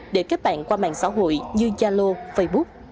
để kết bạn qua mạng xã hội như yalo facebook